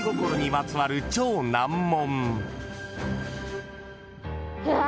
まつわる超難問］